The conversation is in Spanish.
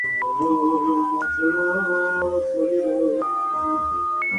La forma de transmitir esta información puede ser literaria o audiovisual.